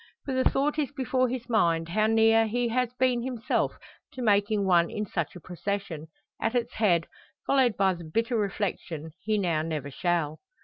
For the thought is before his mind, how near he has been himself to making one in such a procession at its head followed by the bitter reflection, he now never shall.